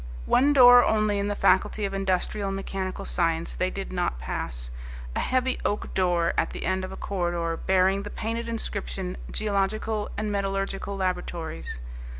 One door only in the faculty of industrial and mechanical science they did not pass, a heavy oak door at the end of a corridor bearing the painted inscription: Geological and Metallurgical Laboratories.